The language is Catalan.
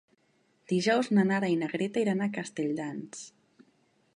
Dijous na Nara i na Greta iran a Castelldans.